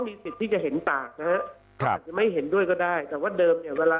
มีศิษฐ์ที่จะเห็นต่ามั้ยเห็นด้วยก็ได้แต่ว่าเดิมเนี่ยเวลา